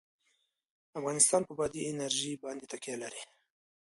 افغانستان په بادي انرژي باندې تکیه لري.